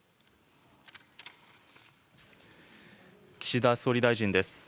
岸田総理大臣です。